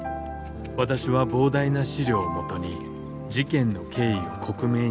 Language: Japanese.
私は膨大な資料を基に事件の経緯を克明に記した。